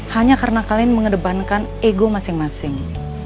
hanya karena kalian mengedepankan ego masing masing